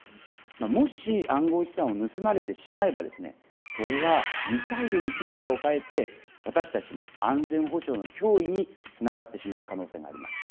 もし、暗号資産を盗まれてしまえば、それはミサイルに姿を変えて、私たちの安全保障の脅威につながってしまう可能性もあります。